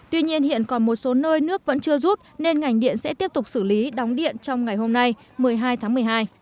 tuy nhiên hiện còn một số nơi nước vẫn chưa rút nên ngành điện sẽ tiếp tục xử lý đóng điện trong ngày hôm nay một mươi hai tháng một mươi hai